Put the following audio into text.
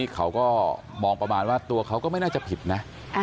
เขาก็มองประมาณว่าตัวเขาก็ไม่น่าจะผิดนะ